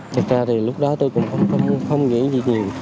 thực ra thì lúc đó tôi cũng không nghĩ gì nhiều